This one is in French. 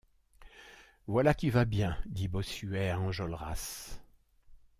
Voilà qui va bien, dit Bossuet à Enjolras.